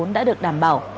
đã được đảm bảo